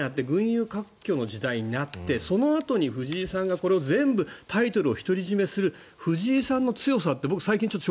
そのあとみんながやって群雄割拠の時代になってそのあと藤井さんが全部タイトルを独り占めする藤井さんの強さって僕